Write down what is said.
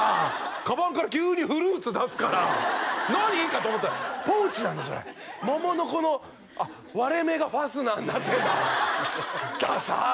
かばんから急にフルーツ出すから「何！？」かと思ったらポーチなんだそれモモのこのあっ割れ目がファスナーになってんだダサッ！